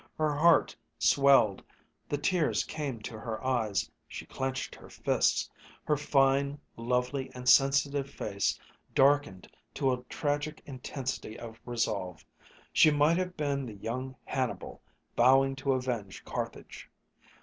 Her heart swelled, the tears came to her eyes, she clenched her fists. Her fine, lovely, and sensitive face darkened to a tragic intensity of resolve. She might have been the young Hannibal, vowing to avenge Carthage.